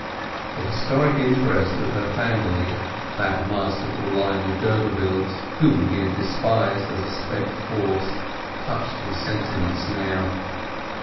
The historic interest of her family—that masterful line of d'Urbervilles—whom he had despised as a spent force, touched his sentiments now.